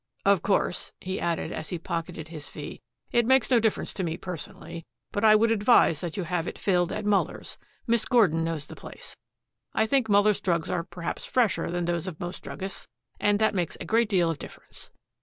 "Of course," he added, as he pocketed his fee, "it makes no difference to me personally, but I would advise that you have it filled at Muller's Miss Gordon knows the place. I think Muller's drugs are perhaps fresher than those of most druggists, and that makes a great deal of difference."